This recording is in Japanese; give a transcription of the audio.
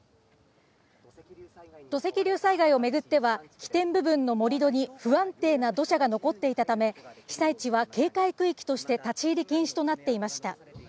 土石流災害を巡っては、起点部分の盛り土に不安定な土砂が残っていたため、被災地は警戒区域として立ち入り禁止となっていました。